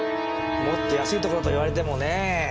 もっと安いところと言われてもねぇ。